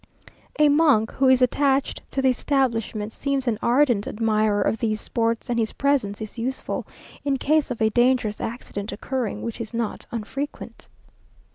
A monk, who is attached to the establishment, seems an ardent admirer of these sports, and his presence is useful, in case of a dangerous accident occurring, which is not unfrequent.